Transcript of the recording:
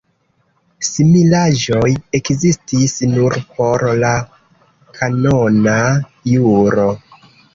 Similaĵoj ekzistis nur por la kanona juro.